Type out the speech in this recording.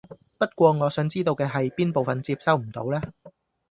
不過我想知道嘅係邊部分接收唔到呢？